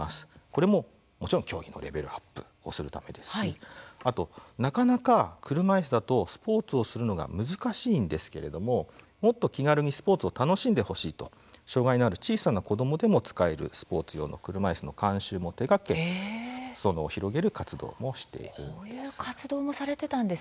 これも、もちろん競技のレベルアップをするためですしあと、なかなか車いすだとスポーツをするのが難しいんですけれどももっと気軽にスポーツを楽しんでほしいと障害のある小さな子どもでも使えるスポーツ用の車いすの監修も手がけ、すそ野を広げる活動もしているんです。